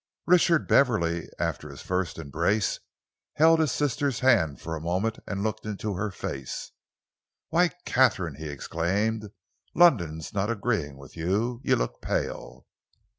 Richard Beverley, after his first embrace, held his sister's hands for a moment and looked into her face. "Why, Katharine," he exclaimed, "London's not agreeing with you! You look pale."